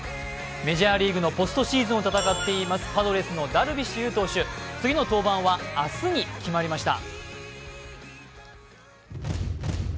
メジャーリーグのポストシーズンを戦っています、パドレスのダルビッシュ有選手、次の登板は明日に決まりました。